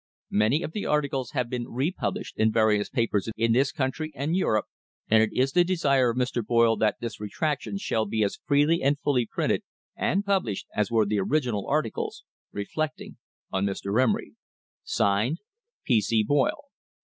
Many of the articles have been republished in various papers in this country and Europe, and it is the desire of Mr. Boyle that this retraction shall be as freely and fully printed and published as were the original articles reflecting on Mr. Emery. (Signed) P. C. BOYLE.